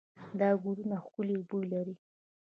دا ګلونه ښکلې بوی لري.